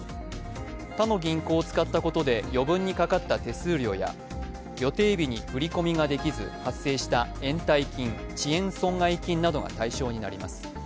他の銀行を使ったことで余分にかかった手数料や予定日に振り込みができず発生した延滞金、遅延損害金などが対象になります。